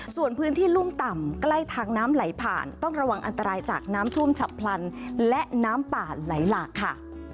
ส่วนพื้นที่รุ่มต่ำใกล้ทางน้ำไหลผ่านต้องระวังอันตรายจากน้ำท่วมฉับพลันและน้ำป่าไหลหลากค่ะ